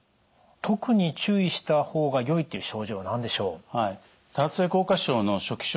特に注意した方がよいという症状は何でしょう？